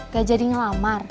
gak jadi ngelamar